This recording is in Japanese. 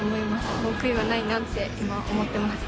もう悔いはないなって今思ってます。